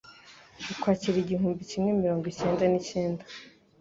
Ukwakira igihumbi cyimwe mirongo icyenda nicyenda